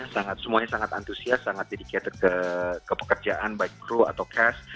semuanya sangat antusias sangat dedicated ke pekerjaan baik crew atau cast